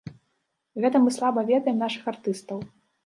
Гэта мы слаба ведаем нашых артыстаў.